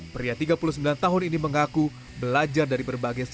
pria tiga puluh sembilan tahun ini mengaku belajar dari berbagai sektor